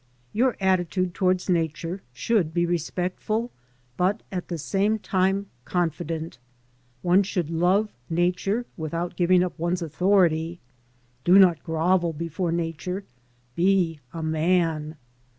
YOUR attitude towards Nature should be respectful, but at the same time confident. One should love Nature without giving up one's authority. Do not grovel before Nature — be a man.